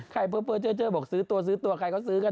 ใครเบอร์เจอบอกซื้อตัวใครก็ซื้อกัน